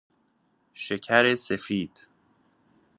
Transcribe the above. شکر سفید